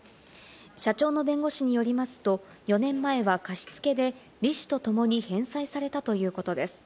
社長の弁護士によりますと、４年前は貸付で利子とともに返済されたということです。